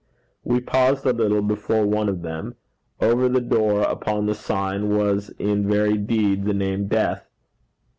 We paused a little before one of them over the door, upon the sign, was in very deed the name Death.